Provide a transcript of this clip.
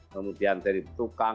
kemudian dari tukang